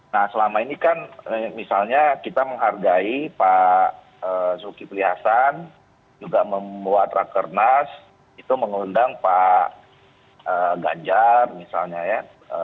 nah selama ini kan misalnya kita menghargai pak zulkifli hasan juga membuat rakernas itu mengundang pak ganjar misalnya ya